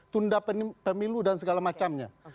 tunda pemilu dan segala macamnya